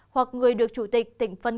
hoặc người được xin phép